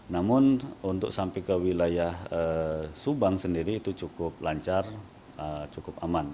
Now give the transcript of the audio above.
namun untuk sampai ke wilayah subang sendiri itu cukup lancar cukup aman